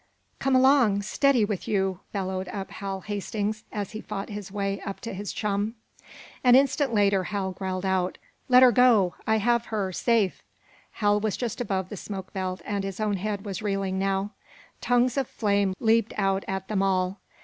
"Come along! Steady with you!" bellowed up Hal Hastings, as he fought his way up to his chum. An instant later Hal growled out "Let her go. I have her safe!" Hal was just above the smoke belt, and his own head was reeling, now. Tongues of flame leaped out at them all.